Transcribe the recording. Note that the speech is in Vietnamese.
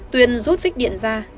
tuyền rút vích điện ra